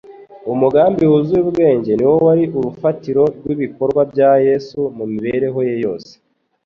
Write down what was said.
Umugambi wuzuye ubwenge niwo wari urufatiro rw'ibikorwa bya Yesu mu mibereho ye yose